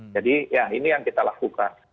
jadi ya ini yang kita lakukan